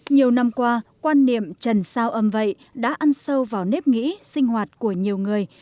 nhiều năm qua quan niệm trần sao âm vậy đã ăn sâu vào nếp nghĩ sinh hoạt của nhiều người